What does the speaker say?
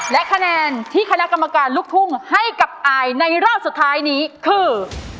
และคะแนนที่คณะกรรมการลูกทุ่งให้กับอายในรอบสุดท้ายนี้คือ